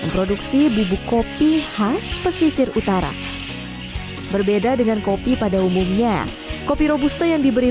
memproduksi bubuk kopi khas pesisir utara berbeda dengan kopi pada umumnya kopi robusta yang diberi